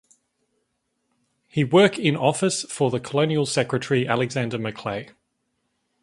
He work in office for the Colonial Secretary Alexander Macleay.